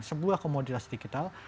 sebuah komoditas digital